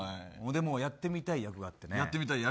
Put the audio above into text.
やってみたい役があってね。